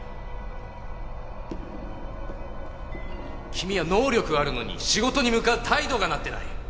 君は能力はあるのに仕事に向かう態度がなってない。